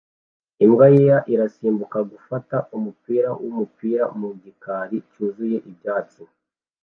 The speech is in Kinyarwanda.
Imbwa yera irasimbuka gufata umupira wumupira mu gikari cyuzuye ibyatsi